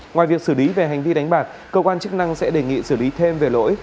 ngoài việc xử lý về hành vi đánh bạc cơ quan chức năng sẽ đề nghị xử lý thêm về lỗi